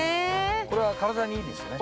これは体にいいですよね。